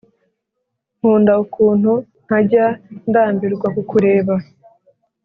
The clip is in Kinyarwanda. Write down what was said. nkunda ukuntu ntajya ndambirwa kukureba